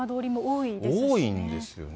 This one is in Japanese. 多いんですよね。